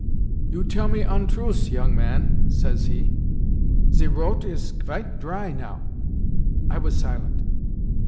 "'You tell me ontruse, young man,' says he. 'Ze roat is kvite dry now.' I was silent.